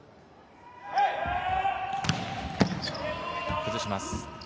崩します。